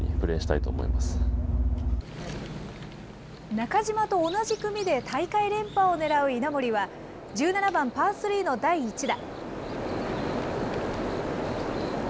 中島と同じ組で大会連覇をねらう稲森は、１７番パースリーの第１打。